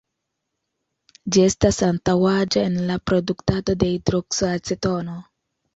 Ĝi estas antaŭaĵo en la produktado de "hidrokso-acetono".